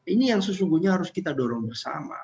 ini yang sesungguhnya harus kita dorong bersama